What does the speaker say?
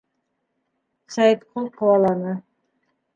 Сәйетҡол ҡыуаланы.